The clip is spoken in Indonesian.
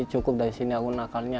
cukup dari sini aku nakalnya